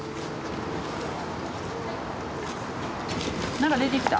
なんか出てきた？